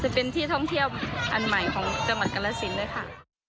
จะเป็นที่ท่องเที่ยวอันใหม่ของจังหวัดกรสินด้วยค่ะ